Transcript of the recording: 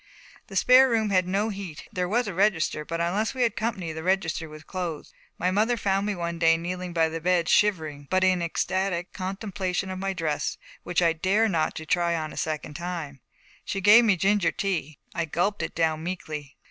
The spare room had no heat: there was a register, but unless we had company the register was closed. My mother found me one day kneeling by the bed, shivering, but in ecstatic contemplation of my dress, which I had not dared to try on a second time. She gave me ginger tea. I gulped it down meekly.